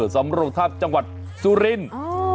สำรงทาบจังหวัดสุรินทร์